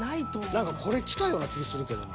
何かこれきたような気するけどな。